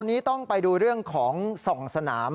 อันนี้ต้องไปดูเรื่องของ๒สนาม